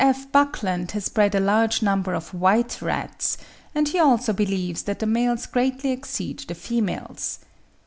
F. Buckland has bred a large number of white rats, and he also believes that the males greatly exceed the females.